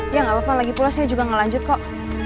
ya gapapa lagi pulasnya juga gak lanjut kok